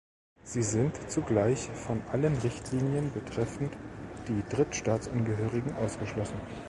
Sie sind zugleich von allen Richtlinien betreffend die Drittstaatsangehörigen ausgeschlossen.